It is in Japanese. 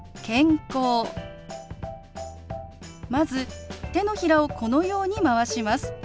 まず手のひらをこのように回します。